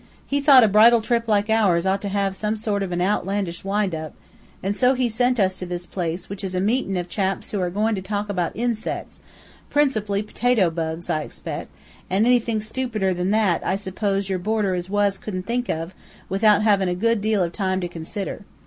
He thought a bridal trip like ours ought to have some sort of a outlandish wind up, an' so he sent us to this place, which is a meetin' of chaps who are agoin' to talk about insec's, principally potato bugs, I expec' an' anything stupider than that, I s'pose your boarder as was couldn't think of, without havin' a good deal o' time to consider.'